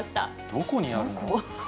どこにあるの？